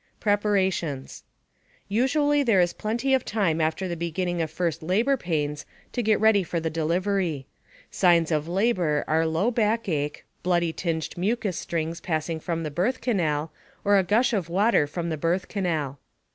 PREPARATIONS Usually there is plenty of time after the beginning of first labor pains to get ready for the delivery. Signs of labor are low backache, bloody tinged mucous strings passing from the birth canal, or a gush of water from the birth canal.